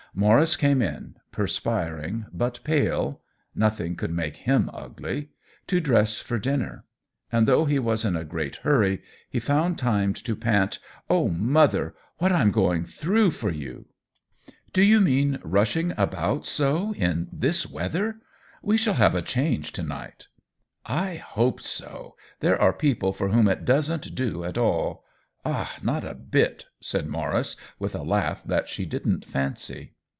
Maurice came in, perspiring but pale, (noth ing could make him ugly !) to dress for din ner ; and though he was in a great hurry, he found time to pant :" Oh, mother, what Fm going through for you !"" Do you mean rushing about so — in this weather? We shall have a change to night." " I hope so ! There are people for whom it doesn't do at all ; ah, not a bit !" said Maurice, with a laugh that she didn't fancy.